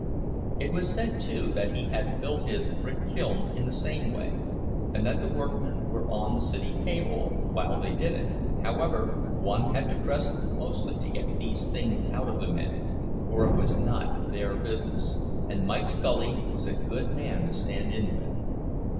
It was said, too, that he had built his brick kiln in the same way, and that the workmen were on the city payroll while they did it; however, one had to press closely to get these things out of the men, for it was not their business, and Mike Scully was a good man to stand in with.